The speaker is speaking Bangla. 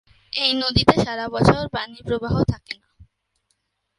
এই নদীতে সারাবছর পানিপ্রবাহ থাকে না।